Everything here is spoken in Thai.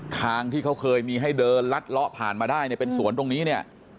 ทางที่เขาเคยมีให้เดินลัดเลาะผ่านมาได้เนี่ยเป็นสวนตรงนี้เนี่ย